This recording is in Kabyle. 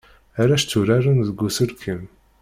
Arac tturaren deg uselkim.